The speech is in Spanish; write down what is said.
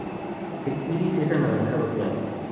El iris es anaranjado claro.